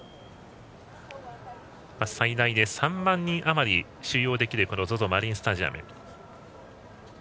最大で３万人余り収容できるＺＯＺＯマリンスタジアム。